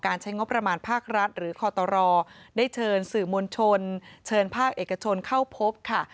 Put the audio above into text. ใช้งบประมาณภาครัฐหรือคอตรได้เชิญสื่อมวลชนเชิญภาคเอกชนเข้าพบค่ะ